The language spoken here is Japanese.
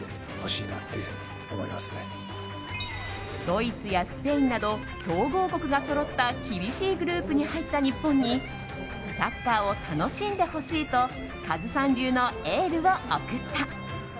ドイツやスペインなど強豪国がそろった厳しいグループに入った日本にサッカーを楽しんでほしいとカズさん流のエールを送った。